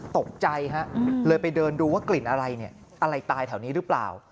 ตกใจฮะเลยไปเดินดูว่ากลิ่นอะไรเนี่ยอะไรตายแถวนี้หรือเปล่า